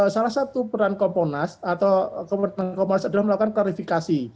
salah satu peran kompolnas adalah melakukan klarifikasi